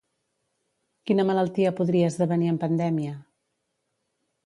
Quina malaltia podria esdevenir en pandèmia?